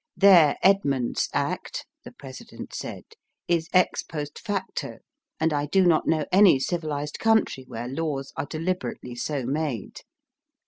^^ Their Edmonds Act," the President said, ''is ex post facto ^ and I do not know any civilized country where laws are deliberately so made.